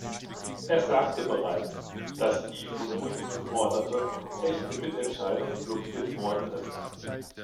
Er sagte bereits, dass die von uns geforderte, echte Mitentscheidung blockiert worden ist.